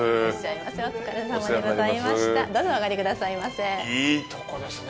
いいとこですね！